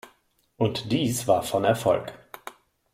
Und dies war von Erfolg.